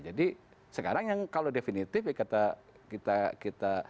jadi sekarang yang kalau definitif ya kata kita